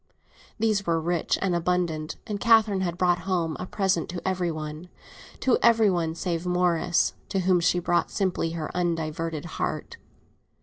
These were rich and abundant; and Catherine had brought home a present to every one—to every one save Morris, to whom she had brought simply her undiverted heart.